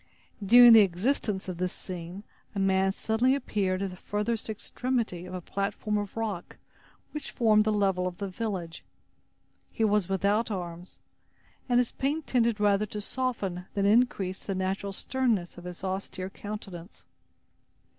During the existence of this scene, a man suddenly appeared at the furthest extremity of a platform of rock which formed the level of the village. He was without arms, and his paint tended rather to soften than increase the natural sternness of his austere countenance.